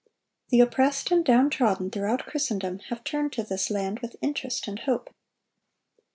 The oppressed and down trodden throughout Christendom have turned to this land with interest and hope.